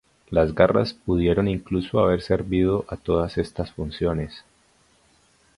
Las garras pudieron incluso haber servido a todas estas funciones.